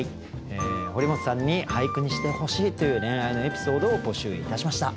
「堀本さんに俳句にしてほしい」という恋愛のエピソードを募集いたしました。